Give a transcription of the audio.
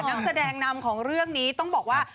นักแสดงนำของเรื่องนี้ต้องบอกว่า